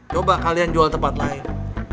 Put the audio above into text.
coba kalian jual tempat lain